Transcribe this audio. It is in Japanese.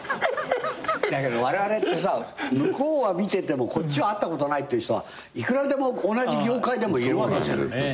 だけどわれわれってさ向こうは見ててもこっちは会ったことないって人はいくらでも同じ業界でもいるわけじゃん。